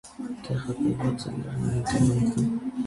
Տեղակայված է լեռնային տեղանքում։